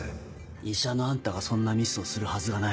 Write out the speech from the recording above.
医者のあんたがそんなミスをするはずがない。